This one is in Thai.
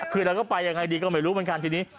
คือเราก็ไปยังไงดีก็ไม่รู้เหมือนกันทีนี้